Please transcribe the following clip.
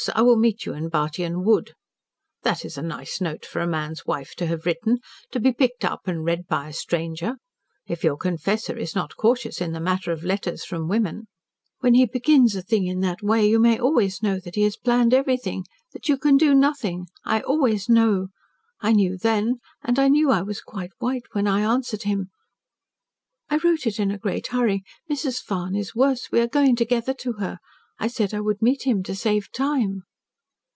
I will meet you in Bartyon Wood." That is a nice note for a man's wife to have written, to be picked up and read by a stranger, if your confessor is not cautious in the matter of letters from women ' "When he begins a thing in that way, you may always know that he has planned everything that you can do nothing I always know. I knew then, and I knew I was quite white when I answered him: "'I wrote it in a great hurry, Mrs. Farne is worse. We are going together to her. I said I would meet him to save time.'